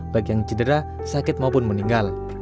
bagi yang cedera sakit maupun meninggal